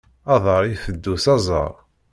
Aḍar iteddu s aẓar.